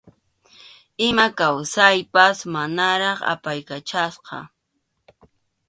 Ima kawsaypas manaraq apaykachasqa.